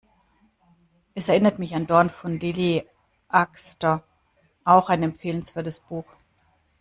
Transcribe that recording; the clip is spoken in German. Es erinnert mich an "Dorn" von Lilly Axster, auch ein empfehlenswertes Buch.